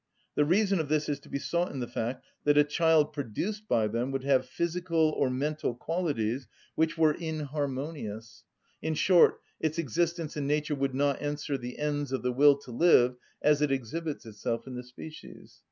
The reason of this is to be sought in the fact that a child produced by them would have physical or mental qualities which were inharmonious; in short, its existence and nature would not answer the ends of the will to live as it exhibits itself in the species.